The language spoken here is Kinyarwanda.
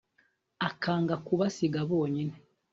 akanga kubasiga bonyine